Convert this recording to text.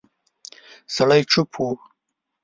سړی چوپ و.